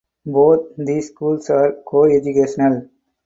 Both these schools are coeducational.